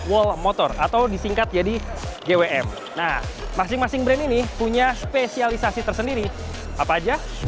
wall motor atau disingkat jadi gwm nah masing masing brand ini punya spesialisasi tersendiri apa aja